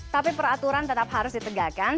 tapi peraturan tetap harus ditegakkan